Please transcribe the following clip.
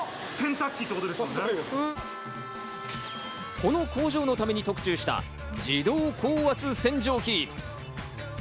この工場のために特注した自動高圧洗浄機。